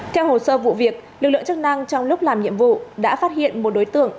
theo hồ sơ vụ việc lực lượng chức năng trong lúc làm nhiệm vụ đã phát hiện một đối tượng